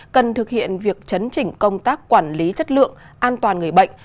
cần thực hiện việc chấn chỉnh công tác quản lý chất lượng an toàn người bệnh